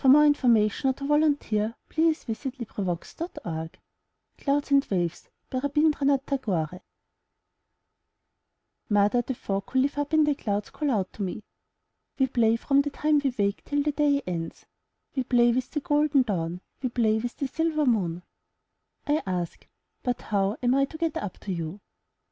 \^' io6 IN THE NURSERY CLOUDS AND WAVES* Rabindranath Tagore Mother, the folk who live up in the clouds call out to me — We play from the time we wake till the day ends. We play with the golden dawn, we play with the silver moon/* I ask, ''But, how am I to get up to you?''